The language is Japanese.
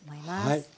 はい。